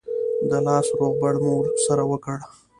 د لاس روغبړ مو سره وکړ.